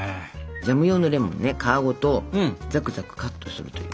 ジャム用のレモンね皮ごとザクザクカットするという。